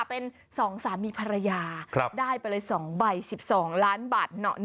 เป็น๒สามีภรรยาได้ไปเลย๒ใบ๑๒ล้านบาท